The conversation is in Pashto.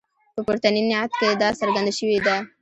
په پورتني نعت کې دا څرګنده شوې ده.